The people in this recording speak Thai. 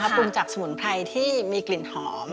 ปรุงจากสมุนไพรที่มีกลิ่นหอม